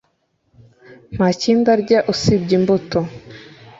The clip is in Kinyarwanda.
Nta kindi arya usibye imbuto